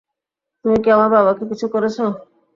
তুমি কি আমার বাবাকে কিছু করেছ?